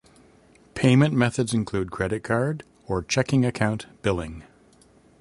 Payment methods include credit card or checking account billing.